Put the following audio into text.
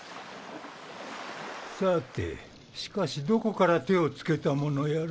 さてしかしどこから手を付けたものやら。